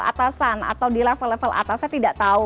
atasan atau di level level atasnya tidak tahu